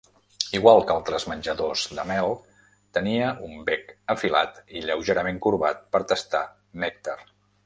Igual que altres menjadors de mel, tenia un bec afilat i lleugerament corbat per tastar nèctar.